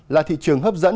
là thị trường hấp dẫn